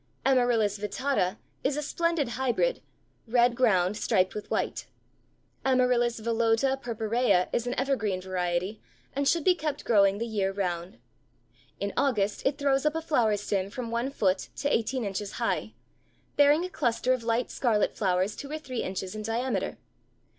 Amaryllis vittata is a splendid hybrid, red ground striped with white. Amaryllis Valotta purpurea is an evergreen variety, and should be kept growing the year round. In August it throws up a flower stem from one foot to eighteen inches high, bearing a cluster of light scarlet flowers two or three inches in diameter.